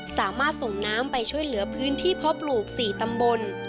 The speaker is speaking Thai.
สามารถส่งน้ำไปช่วยเหลือพื้นที่เพาะปลูก๔ตำบล